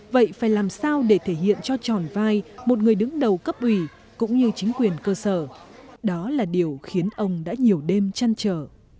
vậy phải làm sao để thể hiện cho tròn vai một người đứng đầu cấp ủy cũng như chính quyền cơ sở đó là điều khiến ông đã nhiều đêm chăn trở